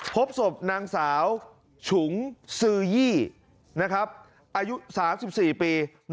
พบศพนางสาวฉุงซื้อยี่นะครับอายุสามสิบสี่ปี